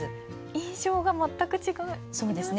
印象が全く違いますね。